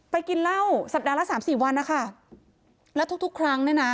ไปกินเล่าสัปดาห์ละ๓๔วันนะค่ะและทุกครั้งนะน้ะ